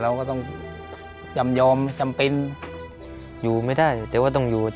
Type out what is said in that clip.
และกับผู้จัดการที่เขาเป็นดูเรียนหนังสือ